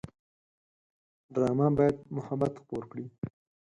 ډرامه باید محبت خپور کړي